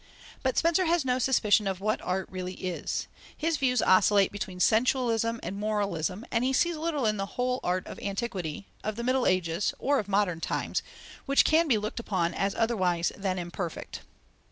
But Spencer has no suspicion of what art really is. His views oscillate between sensualism and moralism, and he sees little in the whole art of antiquity, of the Middle Ages, or of modern times, which can be looked upon as otherwise than imperfect!